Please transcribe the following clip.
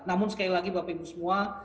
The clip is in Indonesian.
namun sekali lagi bapak ibu semua